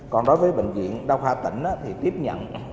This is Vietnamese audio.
còn đối với bệnh viện đa khoa tỉnh thì tiếp nhận